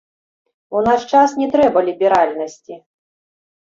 У наш час не трэба ліберальнасці.